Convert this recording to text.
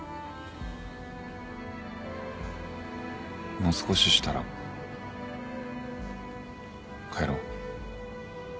もう少ししたら帰ろう。